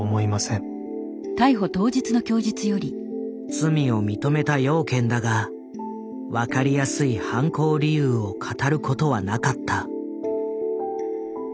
罪を認めた養賢だが分かりやすい犯行理由を語ることはなかった。